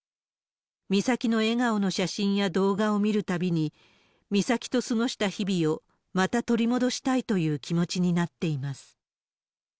美咲の笑顔の写真や動画を見るたびに、美咲と過ごした日々をまた取り戻したいという気持ちになっています。